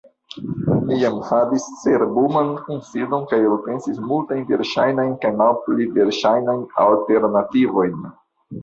Ni jam havis cerbuman kunsidon kaj elpensis multajn verŝajnajn kaj malpli verŝajnajn alternativojn.